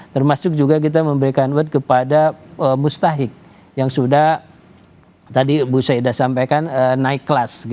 termasuk juga kita memberikan world kepada mustahik yang sudah tadi bu syaida sampaikan naik kelas